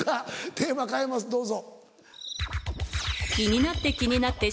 テーマ変えますどうぞ。